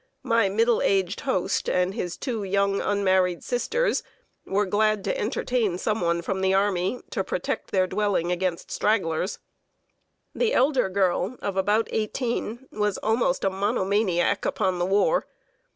My middle aged host and his two young, unmarried sisters, were glad to entertain some one from the army, to protect their dwelling against stragglers. [Sidenote: REBEL GIRL WITH A SHARP TONGUE.] The elder girl, of about eighteen, was almost a monomaniac upon the war.